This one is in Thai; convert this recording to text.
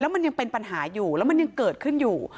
มันยังเป็นปัญหาอยู่แล้วมันยังเกิดขึ้นอยู่